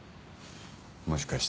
もしかして。